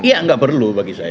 ya nggak perlu bagi saya